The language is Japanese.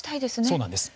そうなんです。